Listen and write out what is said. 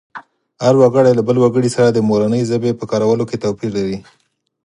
هر وګړی له بل وګړي سره د مورنۍ ژبې په کارولو کې توپیر لري